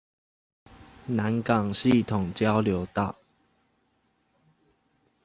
南港系統交流道